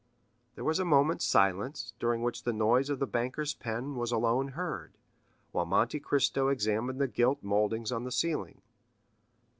There was a moment's silence, during which the noise of the banker's pen was alone heard, while Monte Cristo examined the gilt mouldings on the ceiling.